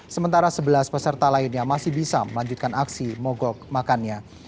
sementara sebelas peserta lainnya masih bisa melanjutkan aksi mogok makannya